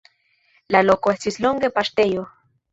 La loko estis longe paŝtejo.